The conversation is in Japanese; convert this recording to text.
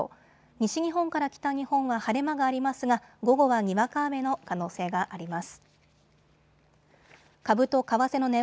西日本から北日本は晴れ間がありますが午後はにわか雨の可能性があります。